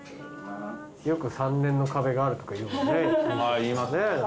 よく「３年の壁がある」とか言うもんね。